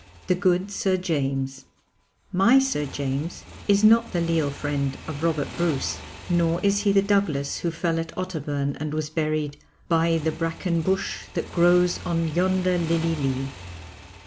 THE GOOD SIR JAMES My Sir James is not the leal friend of Robert Bruce nor is he the Douglas who fell at Otterburn and was buried 'by the bracken bush that grows on yonder lilye lee.'